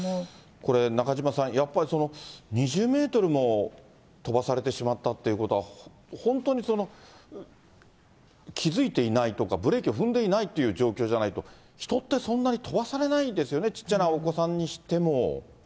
これ、中島さん、やっぱり２０メートルも飛ばされてしまったっていうことは、本当に気付いていないとか、ブレーキを踏んでいないっていった状況じゃないと、人ってそんなに飛ばされないですよね、ちっちゃなお子さんにしても。